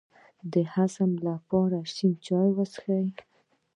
د هضم لپاره شین چای وڅښئ